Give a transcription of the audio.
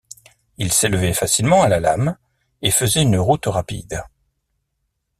Il s’élevait facilement à la lame et faisait une route rapide